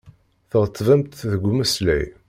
Tɣettbemt deg umeslay.